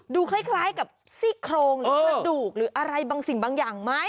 ดูคล้ายกับซี่โครงหรือกระดูกหรืออะไรบางสิ่งบางอย่างไหม